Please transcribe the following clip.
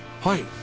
はい。